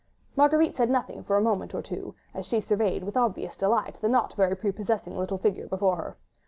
Marguerite said nothing for a moment or two, as she surveyed with obvious delight the not very prepossessing little figure before her.